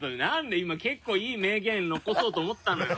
今結構いい名言残そうと思ったのよ。